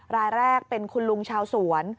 รายแรกเป็นคุณลุงชาวสวน